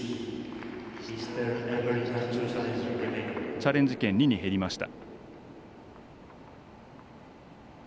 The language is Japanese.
チャレンジ権２に減りました。